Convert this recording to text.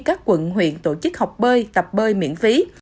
các quận huyện tổ chức học bơi tập bơi miễn phí